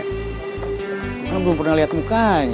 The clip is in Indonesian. kamu belum pernah lihat mukanya